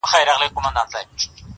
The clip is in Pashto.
• نه په عقل نه په فکر کي جوړیږي -